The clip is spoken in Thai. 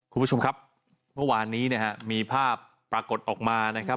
คุณผู้ชมครับเมื่อวานนี้นะฮะมีภาพปรากฏออกมานะครับ